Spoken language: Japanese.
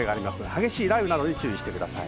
激しい雷雨などに注意してください。